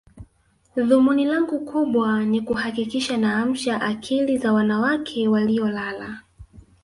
Dhumuni langu kubwa ni kuhakikisha naamsha akili za wanawake waliolala